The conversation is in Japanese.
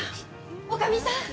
女将さん